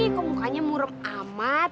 kok mukanya murem amat